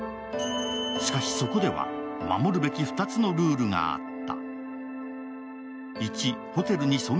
しかし、そこでは守るべき２つのルールがあった。